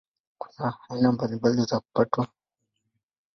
Kuna aina mbalimbali za kupatwa kwa Jua.